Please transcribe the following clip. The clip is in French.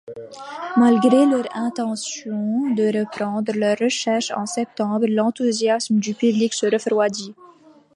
Malgré leur intention de reprendre leurs recherches en septembre, l'enthousiasme du public se refroidit.